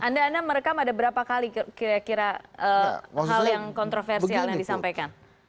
anda merekam ada berapa kali kira kira hal yang kontroversial yang disampaikan